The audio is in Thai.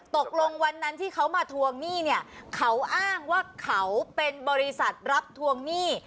ตกลงวันนั้นที่เขามาทวงหนี้เนี่ยเขาอ้างว่าเขาเป็นบริษัทรับทวงหนี้